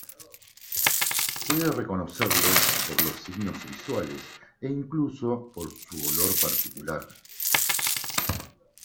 Puede reconocerlos por los signos visuales e incluso por su olor particular.